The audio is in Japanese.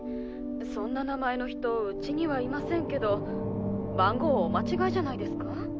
そんな名前の人うちにはいませんけど☎番号をお間違えじゃないですか？